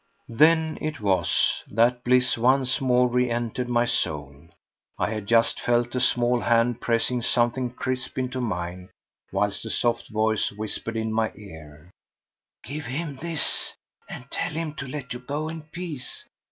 Then it was, Sir, that bliss once more re entered my soul. I had just felt a small hand pressing something crisp into mine, whilst a soft voice whispered in my ear: "Give him this, and tell him to let you go in peace.